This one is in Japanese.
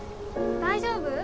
大丈夫？